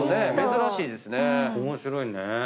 面白いね。